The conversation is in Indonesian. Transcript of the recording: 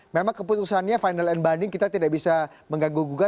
memang keputusannya final and banding kita tidak bisa mengganggu guga